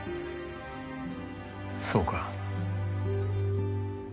そうか。